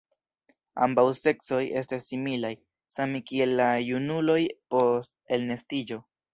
Ambaŭ seksoj estas similaj, same kiel la junuloj post elnestiĝo.